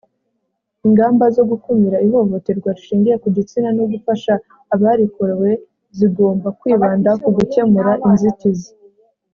ingamba zo gukumira ihohoterwa rishingiye ku gitsina no gufasha abarikorewe zigomba kwibanda ku gukemura inzitizi